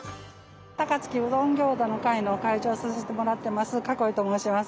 高槻うどんギョーザの会の会長をさしてもらってます栫と申します。